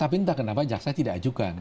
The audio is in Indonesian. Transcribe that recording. tapi entah kenapa jaksa tidak ajukan